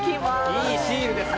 いいシールですね。